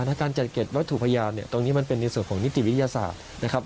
ในการจัดเก็บรถถูกพยานตรงนี้มันเป็นในส่วนของนิติวิทยาศาสตร์นะครับ